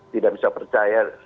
tidak bisa percaya